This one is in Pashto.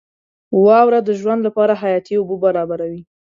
• واوره د ژوند لپاره حیاتي اوبه برابروي.